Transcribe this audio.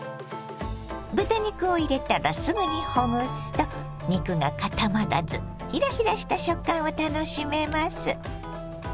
豚肉を入れたらすぐにほぐすと肉が固まらずひらひらした食感を楽しめます。